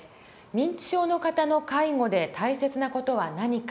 認知症の方の介護で大切な事は何か。